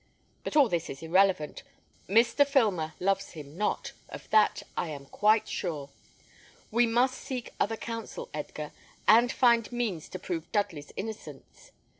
But all this is irrelevant; Mr. Filmer loves him not: of that I am quite sure. We must seek other counsel, Edgar, and find means to prove Dudley's innocence.